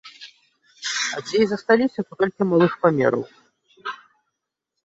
А дзе і засталіся, то толькі малых памераў.